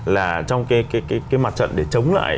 là trong cái mặt trận để chống lại